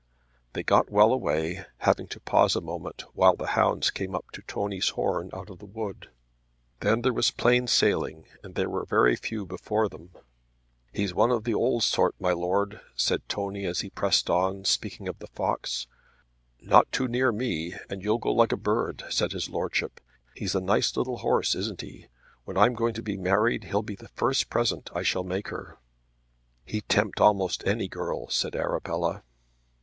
They got well away, having to pause a moment while the hounds came up to Tony's horn out of the wood. Then there was plain sailing and there were very few before them. "He's one of the old sort, my lord," said Tony as he pressed on, speaking of the fox. "Not too near me, and you'll go like a bird," said his lordship. "He's a nice little horse, isn't he? When I'm going to be married, he'll be the first present I shall make her." "He'd tempt almost any girl," said Arabella.